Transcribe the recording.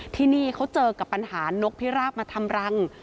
ที่นี่เขาเจอกับปัญหานกพิราบมาทำรัง